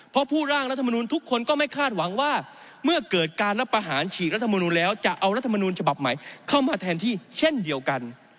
เพราะผู้ร่างรัฐมนุนทุกคนก็ไม่คาดหวังว่าเมื่อเกิดการรับประหารฉีกรัฐมนุนแล้วจะเอารัฐมนูลฉบับใหม่เข้ามาแทนที่เช่นเดียวกัน